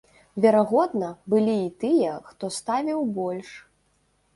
Верагодна, былі і тыя, хто ставіў больш.